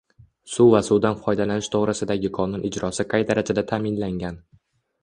“Suv va suvdan foydalanish to‘g‘risida”gi qonun ijrosi qay darajada ta’minlangan?